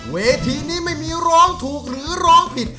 เวทีนี้ไม่มีร้องถูกหรือร้องผิด